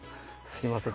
すみません。